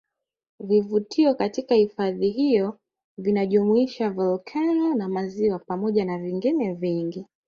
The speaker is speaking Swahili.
Vivutio katika hifadhi hiyo vinajumuisha volkeno na maziwa pamoja na vingine vingi